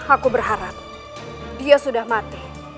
aku berharap dia sudah mati